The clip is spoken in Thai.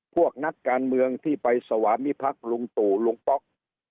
พวกนักการเมืองที่ไปสวามิพักษ์ลุงตู่ลุงป๊อก